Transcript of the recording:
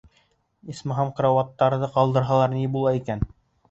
Исмаһам карауаттарҙы ҡалдырһалар ни була икән?